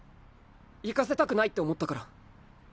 行かせたくないって思ったから。